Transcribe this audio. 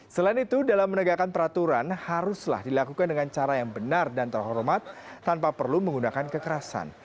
selain itu dalam menegakkan peraturan haruslah dilakukan dengan cara yang benar dan terhormat tanpa perlu menggunakan kekerasan